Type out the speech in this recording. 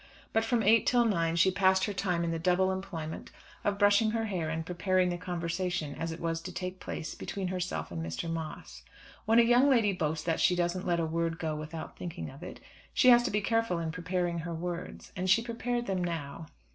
But from eight till nine she passed her time in the double employment of brushing her hair and preparing the conversation as it was to take place between herself and Mr. Moss. When a young lady boasts that she doesn't "let a word go without thinking of it," she has to be careful in preparing her words. And she prepared them now.